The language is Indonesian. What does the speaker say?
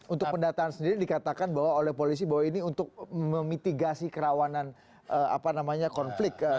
untuk pendataan sendiri dikatakan bahwa oleh polisi bahwa ini untuk memitigasi kerawanan konflik